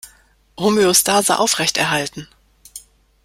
Homöostase aufrechterhalten!